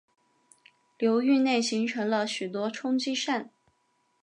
流域内形成了许多冲积扇。